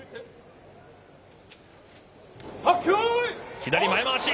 左前まわし。